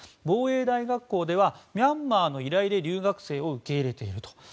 防衛大学校ではミャンマーの依頼で留学生を受け入れていると。